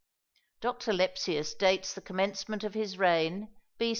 Dr. Lepsius dates the commencement of his reign B.